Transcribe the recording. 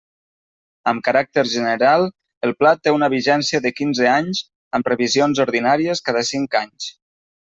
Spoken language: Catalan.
Amb caràcter general el pla té una vigència de quinze anys amb revisions ordinàries cada cinc anys.